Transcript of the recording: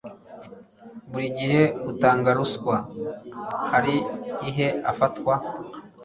Buri gihe utanga ruswa hari ihe afatwa